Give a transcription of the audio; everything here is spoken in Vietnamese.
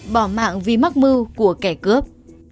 bỏ mạng vì mắc mưu của kẻ cướp